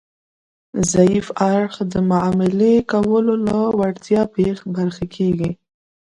ضعیف اړخ د معاملې کولو له وړتیا بې برخې کیږي